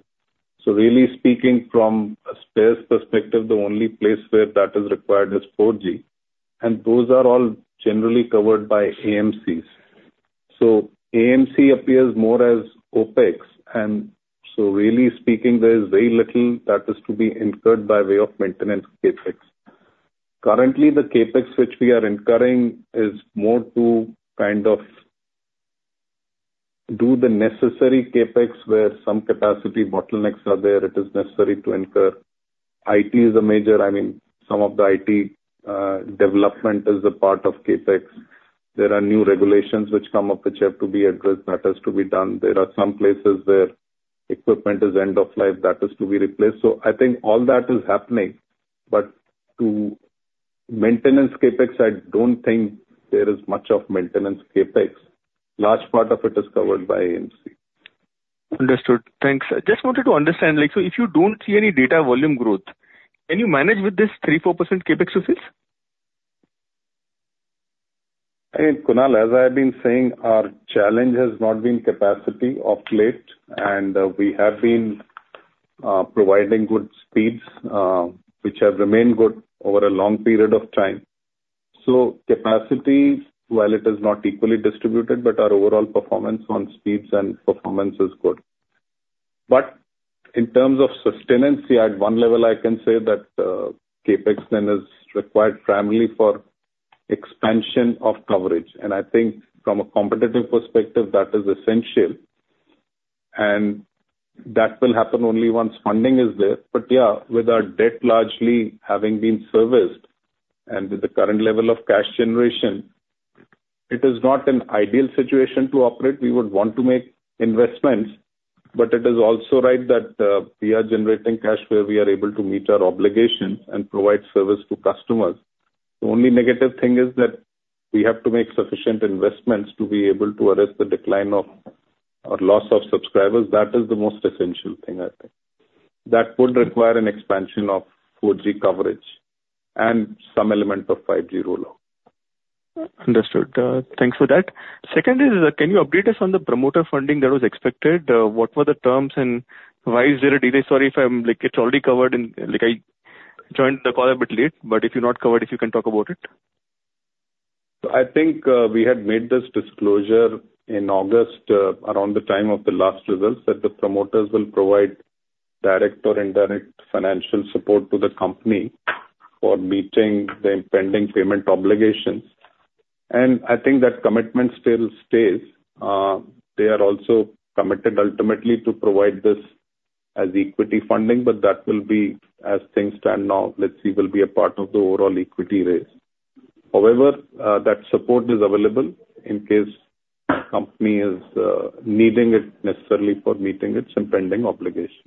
Speaker 2: So really speaking from a spares perspective, the only place where that is required is 4G, and those are all generally covered by AMCs. So AMC appears more as OpEx, and so really speaking, there is very little that is to be incurred by way of maintenance CapEx. Currently, the CapEx which we are incurring is more to kind of do the necessary CapEx, where some capacity bottlenecks are there, it is necessary to incur. IT is a major... I mean, some of the IT, development is a part of CapEx. There are new regulations which come up, which have to be addressed, that has to be done. There are some places where equipment is end of life, that is to be replaced. So I think all that is happening. But to maintenance CapEx, I don't think there is much of maintenance CapEx. Large part of it is covered by AMC.
Speaker 7: Understood. Thanks. I just wanted to understand, like, so if you don't see any data volume growth, can you manage with this 3%-4% CapEx to sales?
Speaker 2: I mean, Kunal, as I have been saying, our challenge has not been capacity of late, and we have been providing good speeds, which have remained good over a long period of time. So capacity, while it is not equally distributed, but our overall performance on speeds and performance is good. But in terms of sustainability, at one level, I can say that CapEx then is required primarily for expansion of coverage, and I think from a competitive perspective, that is essential. And that will happen only once funding is there. But yeah, with our debt largely having been serviced and with the current level of cash generation, it is not an ideal situation to operate. We would want to make investments, but it is also right that we are generating cash where we are able to meet our obligations and provide service to customers. The only negative thing is that we have to make sufficient investments to be able to arrest the decline of or loss of subscribers. That is the most essential thing, I think. That would require an expansion of 4G coverage and some element of 5G roll out.
Speaker 7: Understood. Thanks for that. Secondly, can you update us on the promoter funding that was expected? What were the terms and why is there a delay? Sorry, if I'm, like, it's already covered in... Like, I joined the call a bit late, but if you not covered, if you can talk about it.
Speaker 2: I think, we had made this disclosure in August, around the time of the last results, that the promoters will provide direct or indirect financial support to the company for meeting the impending payment obligations. I think that commitment still stays. They are also committed ultimately to provide this as equity funding, but that will be as things stand now, let's see, will be a part of the overall equity raise. However, that support is available in case the company is needing it necessarily for meeting its impending obligations.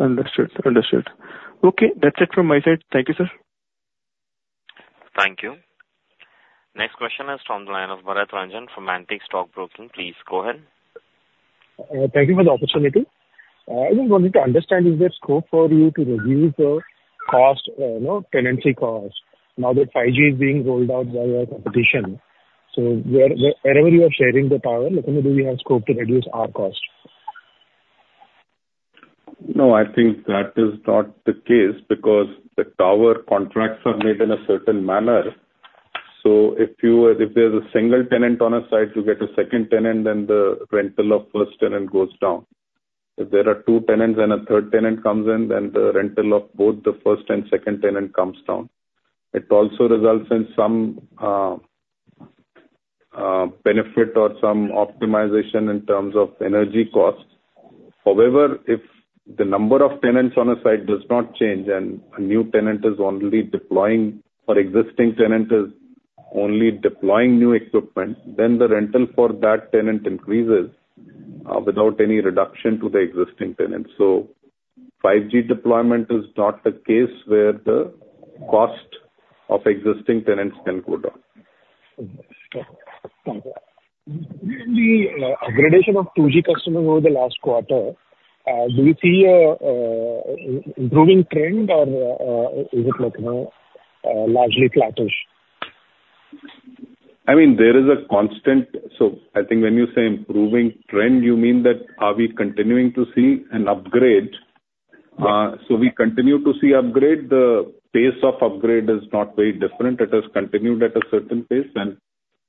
Speaker 7: Understood. Understood. Okay, that's it from my side. Thank you, sir.
Speaker 1: Thank you. Next question is from the line of Varatharajan from Antique Stock Broking. Please go ahead.
Speaker 8: Thank you for the opportunity. I just wanted to understand, is there scope for you to reduce the cost, you know, tenancy costs now that 5G is being rolled out by your competition? So wherever you are sharing the tower, do we have scope to reduce our cost?
Speaker 2: No, I think that is not the case, because the tower contracts are made in a certain manner. So if you, if there's a single tenant on a site, you get a second tenant, then the rental of first tenant goes down. If there are two tenants and a third tenant comes in, then the rental of both the first and second tenant comes down. It also results in some, benefit or some optimization in terms of energy costs. However, if the number of tenants on a site does not change and a new tenant is only deploying, or existing tenant is only deploying new equipment, then the rental for that tenant increases, without any reduction to the existing tenants. So 5G deployment is not a case where the cost of existing tenants can go down.
Speaker 8: Understood. Thank you. The upgradation of 2G customers over the last quarter, do you see a improving trend or is it like, you know, largely flattish?
Speaker 2: I mean, there is a constant... So I think when you say improving trend, you mean that are we continuing to see an upgrade?
Speaker 8: Right.
Speaker 2: We continue to see upgrade. The pace of upgrade is not very different. It has continued at a certain pace, and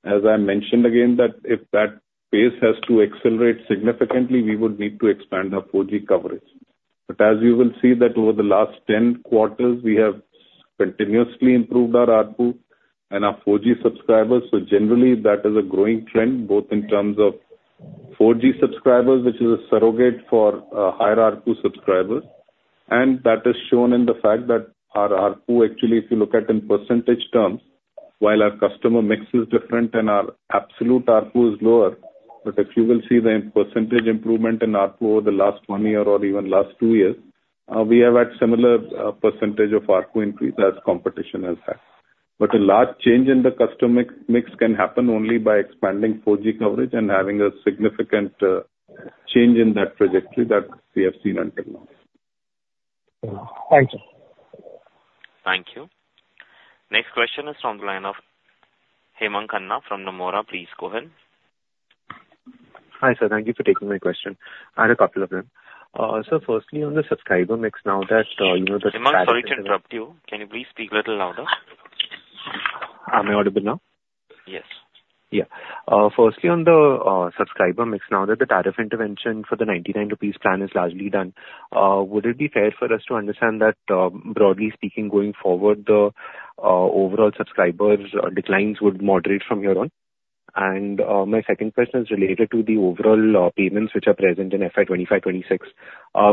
Speaker 2: as I mentioned again, that if that pace has to accelerate significantly, we would need to expand our 4G coverage. But as you will see that over the last 10 quarters, we have continuously improved our ARPU and our 4G subscribers. Generally, that is a growing trend, both in terms of 4G subscribers, which is a surrogate for higher ARPU subscribers. That is shown in the fact that our ARPU, actually, if you look at in percentage terms, while our customer mix is different and our absolute ARPU is lower, but if you will see the percentage improvement in ARPU over the last one year or even last two years, we have had similar, percentage of ARPU increase as competition has had. But a large change in the customer mix can happen only by expanding 4G coverage and having a significant, change in that trajectory that we have seen until now.
Speaker 8: Thank you.
Speaker 1: Thank you. Next question is from the line of Hemang Khanna from Nomura. Please go ahead.
Speaker 9: Hi, sir. Thank you for taking my question. I have a couple of them. So firstly, on the subscriber mix, now that, you know the-
Speaker 1: Hemang, sorry to interrupt you. Can you please speak a little louder?
Speaker 9: Am I audible now?
Speaker 1: Yes.
Speaker 9: Yeah. Firstly, on the subscriber mix, now that the tariff intervention for the 99 rupees plan is largely done, would it be fair for us to understand that, broadly speaking, going forward, the overall subscribers declines would moderate from here on? And my second question is related to the overall payments which are present in FY 2025, 2026.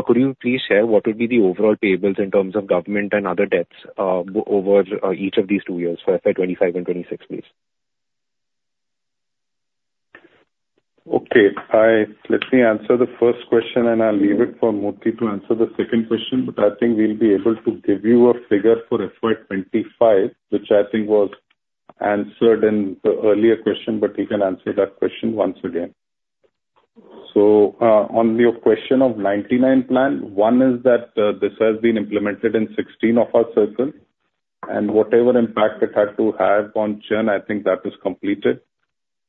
Speaker 9: Could you please share what would be the overall payments in terms of government and other debts, over each of these two years for FY 2025 and 2026, please?
Speaker 2: Okay. Let me answer the first question, and I'll leave it for Murthy to answer the second question, but I think we'll be able to give you a figure for FY 2025, which I think was answered in the earlier question, but he can answer that question once again. So, on your question of 99 plan, one is that, this has been implemented in 16 of our circles, and whatever impact it had to have on churn, I think that is completed.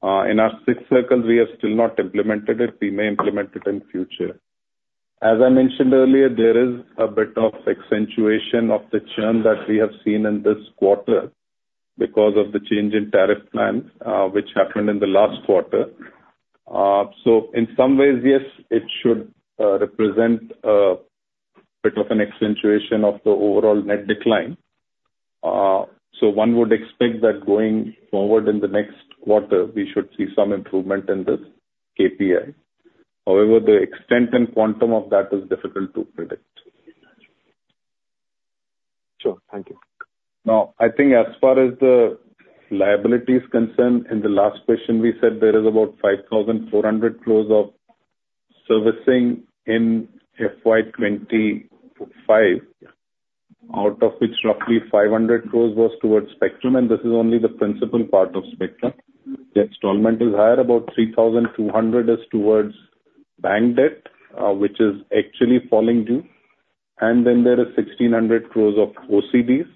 Speaker 2: In our sixth circle, we have still not implemented it. We may implement it in future. As I mentioned earlier, there is a bit of accentuation of the churn that we have seen in this quarter because of the change in tariff plans, which happened in the last quarter. So in some ways, yes, it should represent a bit of an accentuation of the overall net decline. So one would expect that going forward in the next quarter, we should see some improvement in this KPI. However, the extent and quantum of that is difficult to predict.
Speaker 9: Sure. Thank you.
Speaker 2: Now, I think as far as the liability is concerned, in the last question, we said there is about 5,400 crore of servicing in FY 2025, out of which roughly 500 crore was towards spectrum, and this is only the principal part of spectrum. The installment is higher, about 3,200 crore is towards bank debt, which is actually falling due. And then there is 1,600 crore of OCDs,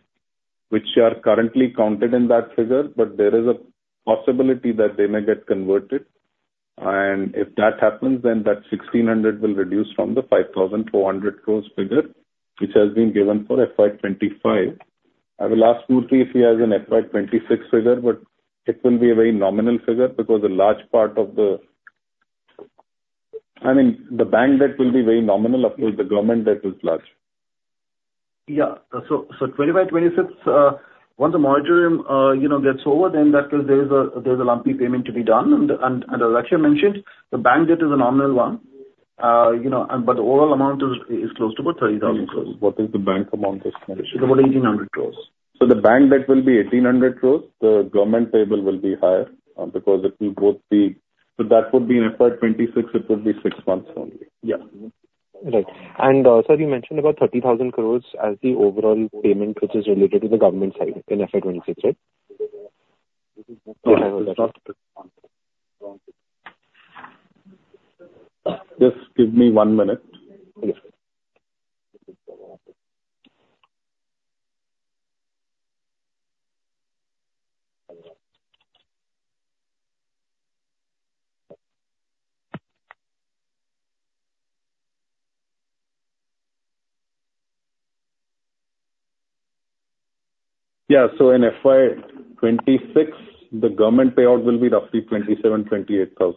Speaker 2: which are currently counted in that figure, but there is a possibility that they may get converted. And if that happens, then that 1,600 crore will reduce from the 5,400 crore figure, which has been given for FY 2025. I will ask Murthy if he has an FY 2026 figure, but it will be a very nominal figure because a large part of the-- I mean, the bank debt will be very nominal. Of course, the government debt is large.
Speaker 3: Yeah. So, so 2025, 2026, once the moratorium, you know, gets over, then that is, there is a, there is a lumpy payment to be done. And, and, as Akshay mentioned, the bank debt is a nominal one, you know, and but the overall amount is, is close to about 30,000 crore.
Speaker 2: What is the bank amount approximately?
Speaker 3: About 1,800 crore.
Speaker 2: So the bank debt will be 1,800 crore. The government payable will be higher, because it will both be... So that would be in FY 2026, it would be six months only.
Speaker 3: Yeah.
Speaker 9: Right. Sir, you mentioned about 30,000 crore as the overall payment, which is related to the government side in FY 2026, right?
Speaker 2: Just give me one minute.
Speaker 9: Okay.
Speaker 2: Yeah. So in FY 2026, the government payout will be roughly 27,000-28,000.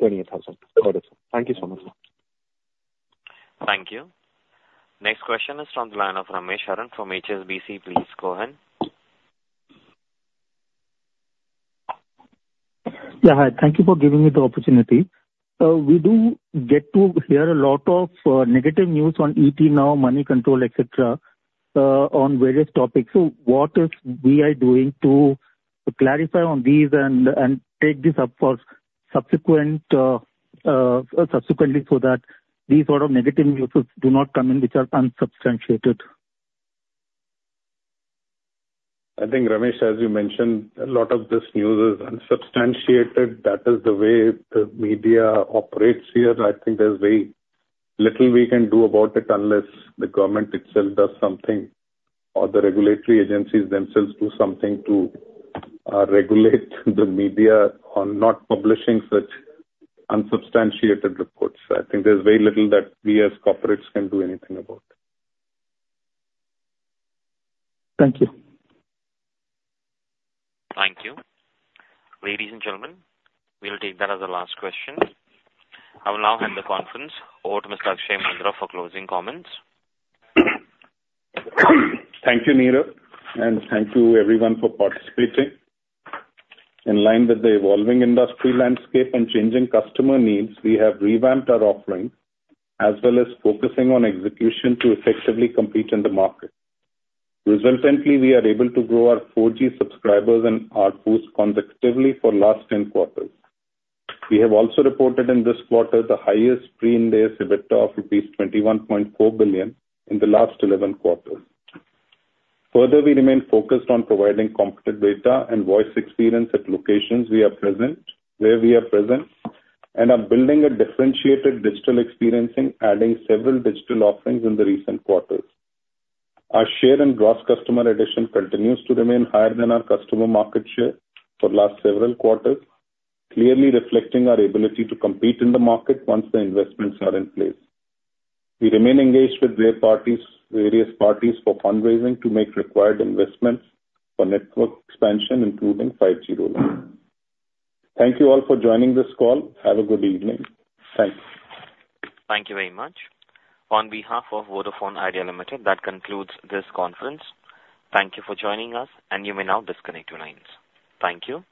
Speaker 9: 28,000. Got it. Thank you so much, sir.
Speaker 1: Thank you. Next question is from the line of Ramesh Aron from HSBC. Please go ahead.
Speaker 10: Yeah, hi. Thank you for giving me the opportunity. We do get to hear a lot of negative news on ET Now, Moneycontrol, et cetera, on various topics. So what is Vi doing to clarify on these and take this up for subsequent, subsequently, so that these sort of negative news do not come in, which are unsubstantiated?
Speaker 2: I think, Ramesh, as you mentioned, a lot of this news is unsubstantiated. That is the way the media operates here, and I think there's very little we can do about it unless the government itself does something, or the regulatory agencies themselves do something to regulate the media on not publishing such unsubstantiated reports. I think there's very little that we as corporates can do anything about.
Speaker 10: Thank you.
Speaker 1: Thank you. Ladies and gentlemen, we'll take that as the last question. I will now hand the conference over to Mr. Akshaya Moondra for closing comments.
Speaker 2: Thank you, Nirav, and thank you everyone for participating. In line with the evolving industry landscape and changing customer needs, we have revamped our offerings, as well as focusing on execution to effectively compete in the market. Resultantly, we are able to grow our 4G subscribers and ARPU consecutively for last 10 quarters. We have also reported in this quarter the highest pre-Ind AS EBITDA of rupees 21.4 billion in the last 11 quarters. Further, we remain focused on providing competitive data and voice experience at locations we are present, where we are present, and are building a differentiated digital experience in adding several digital offerings in the recent quarters. Our share and gross customer addition continues to remain higher than our customer market share for last several quarters, clearly reflecting our ability to compete in the market once the investments are in place. We remain engaged with various parties, various parties for fundraising to make required investments for network expansion, including 5G. Thank you all for joining this call. Have a good evening. Thanks.
Speaker 1: Thank you very much. On behalf of Vodafone Idea Limited, that concludes this conference. Thank you for joining us, and you may now disconnect your lines. Thank you.